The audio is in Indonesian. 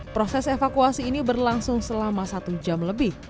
proses evakuasi ini berlangsung selama satu jam lebih